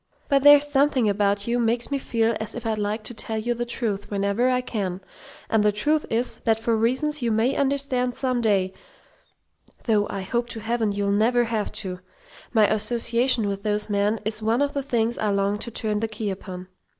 But there's something about you makes me feel as if I'd like to tell you the truth whenever I can: and the truth is, that for reasons you may understand some day though I hope to Heaven you'll never have to! my association with those men is one of the things I long to turn the key upon.